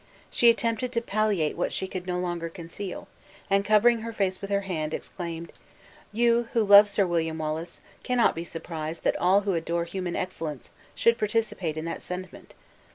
She attempted to palliate what she could no longer conceal, and, covering her face with her hand, exclaimed, "You, who love Sir William Wallace, cannot be surprised that all who adore human excellence should participate in that sentiment.